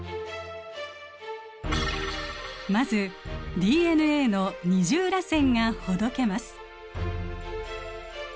まずＤＮＡの二重らせんがほどけます。